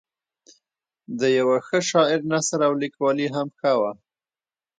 د یوه ښه شاعر نثر او لیکوالي هم ښه وه.